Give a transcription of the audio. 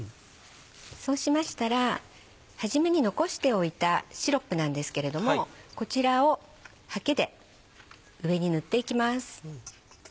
そうしましたらはじめに残しておいたシロップなんですけれどもこちらをはけで上に塗っていきます。